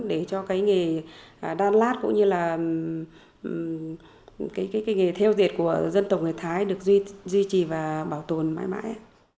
để cho cái nghề đa lạc cũng như là cái nghề theo dệt của dân tộc người thái được duy trì và bảo tồn mãi mãi